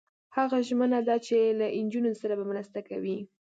هغه ژمنه ده چې له نجونو سره به مرسته کوي.